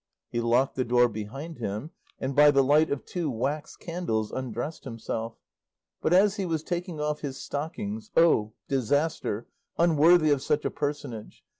He locked the door behind him, and by the light of two wax candles undressed himself, but as he was taking off his stockings O disaster unworthy of such a personage!